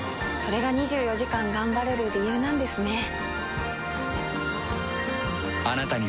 れが２４時間頑張れる理由なんですね。